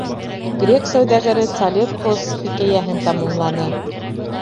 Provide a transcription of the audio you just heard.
Грек сауҙагәре Цалевкос хикәйәһен тамамланы.